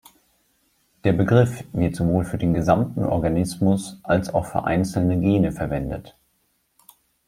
Der Begriff wird sowohl für den gesamten Organismus als auch für einzelne Gene verwendet.